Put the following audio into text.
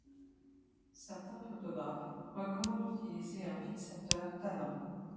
Certains photographes recommandent d'utiliser un fixateur tannant.